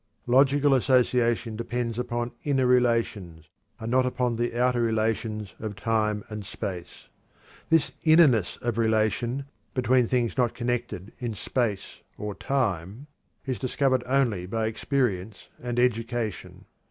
Logical association depends upon inner relations, and not upon the outer relations of time and space. This innerness of relation between things not connected in space or time is discovered only by experience and education.